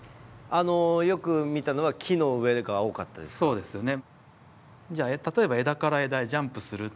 そうですよね。